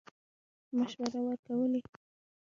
مشورې ورکولې.